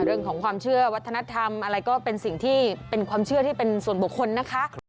เรื่องของความเชื่อวัฒนธรรมอะไรก็เป็นสิ่งที่เป็นความเชื่อที่เป็นส่วนบุคคลนะคะ